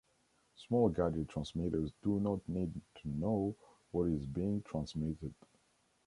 Small gadget transmitters do not need to know what is being transmitted.